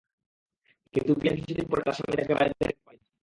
কিন্তু বিয়ের কিছুদিন পরে তাঁর স্বামী তাঁকে বাড়িতে রেখে পালিয়ে যান।